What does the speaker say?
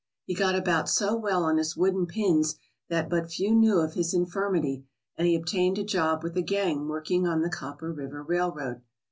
He got about so well on his wooden pins that but few knew of his infirmity, and he obtained a job with a gang working on the Copper River Railroad.